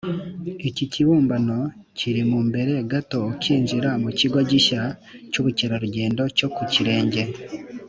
Iki kibumbano kiri mu mbere gato ukinjira mu kigo gishya cy’ubukerarugendo cyo Ku Kirenge